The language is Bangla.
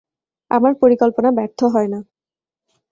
আমার পরিকল্পনা ব্যর্থ হয় না।